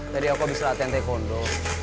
tadi aku bisa latihan taekwondo